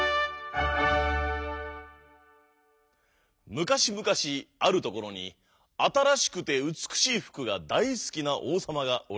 むかしむかしあるところにあたらしくてうつくしいふくがだいすきなおうさまがおりました。